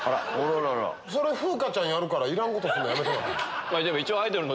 それ風花ちゃんやるからいらんことするのやめて。